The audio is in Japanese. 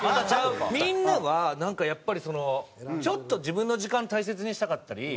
みんなはなんかやっぱりちょっと自分の時間大切にしたかったり。